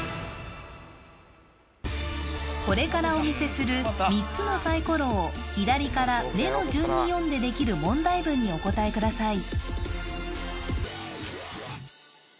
これからお見せする３つのサイコロを左から目の順に読んでできる問題文にお答えください